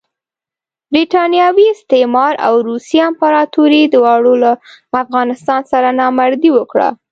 برټانوي استعمار او روسي امپراطوري دواړو له افغانستان سره نامردي وکړه.